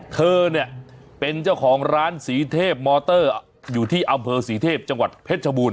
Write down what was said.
เธอเนี่ยเป็นเจ้าของร้านสีเทพมอเตอร์อยู่ที่อำเภอศรีเทพจังหวัดเพชรชบูร